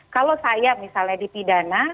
kalau saya misalnya dipidana